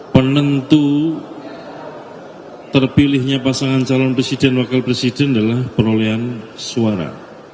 penentu terpilihnya pasangan calon presiden wakil presiden adalah perolehan suara